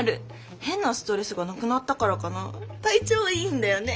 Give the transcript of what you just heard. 変なストレスがなくなったからかな体調いいんだよね。